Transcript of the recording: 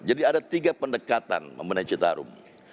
jadi ada tiga pendekatan memenai citarum